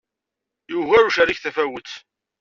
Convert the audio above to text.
Yugar ucerrig tafawet.